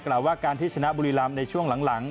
กล่าวว่าการที่ชนะบุรีรัมน์ในช่วงหลัง